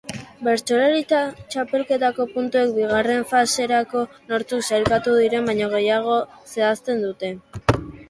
Bertsolaritza txapelketako puntuek bigarren faserako nortzuk sailkatu diren baino gehiago zehazten dute.